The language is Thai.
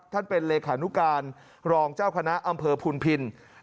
ท่านเป็นเลขานุการรองเจ้าคณะอำเภอภูนิภินภูนิภินภาค